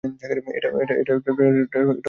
এটা কোনো গেম নয়!